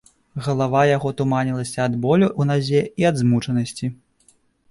Галава яго туманілася ад болю ў назе і ад змучанасці.